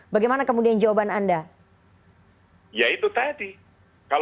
bagaimana kemudian jawaban anda